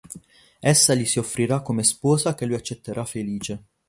Essa gli si offrirà come sposa che lui accetterà felice.